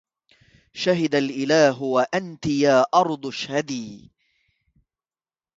شهد الإله وأنت يا أرض اشهدي